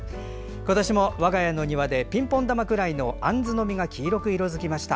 今年も我が家の庭でピンポン玉くらいのアンズの実が黄色く色づきました。